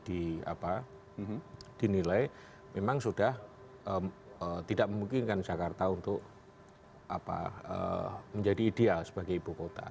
yang di nilai memang sudah tidak memungkinkan jakarta untuk menjadi ideal sebagai ibu kota